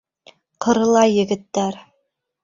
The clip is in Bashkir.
Ҡырыла егеттәр...